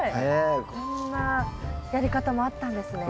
こんなやり方もあったんですね。